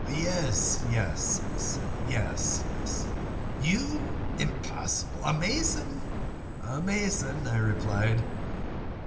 "Yes, yes," I said, "yes, yes." "You? Impossible! A mason?" "A mason," I replied.